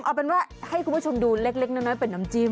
เอาเป็นว่าให้คุณผู้ชมดูเล็กน้ำจิ้ม